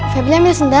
febri ambil sendal